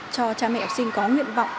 cho cha mẹ học sinh có nguyện vọng